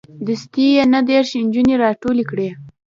دستې یې نه دېرش نجونې راټولې کړې.